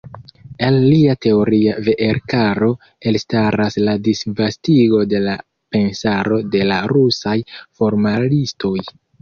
El lia teoria veerkaro elstaras la disvastigo de la pensaro de la rusaj formalistoj.